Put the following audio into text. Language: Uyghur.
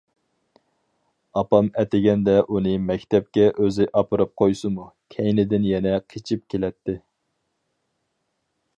ئاپام ئەتىگەندە ئۇنى مەكتەپكە ئۆزى ئاپىرىپ قويسىمۇ، كەينىدىن يەنە قېچىپ كېلەتتى.